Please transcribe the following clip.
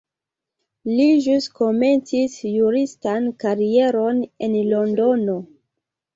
Li ĵus komencis juristan karieron en Londono.